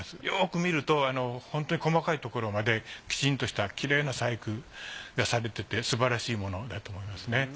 よく見るとホントに細かいところまできちんとしたきれいな細工がされててすばらしいものだと思いますね。